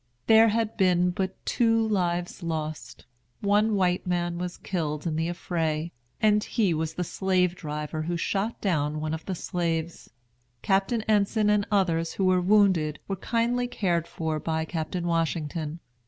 There had been but two lives lost. One white man was killed in the affray, and he was the slave driver who shot down one of the slaves. Captain Enson and others who were wounded were kindly cared for by Captain Washington.